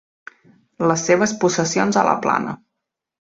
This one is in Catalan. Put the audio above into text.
Les seves possessions a la plana.